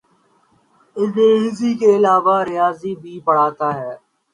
انگریزی کے علاوہ وہ ریاضی بھی پڑھاتا ہے۔